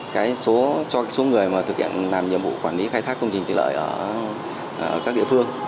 cho số người thực hiện nhiệm vụ quản lý khai thác công trình thủy lợi ở các địa phương